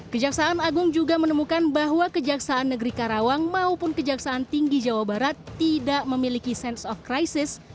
kejaksaan agung juga menemukan bahwa kejaksaan negeri karawang maupun kejaksaan tinggi jawa barat tidak memiliki sense of crisis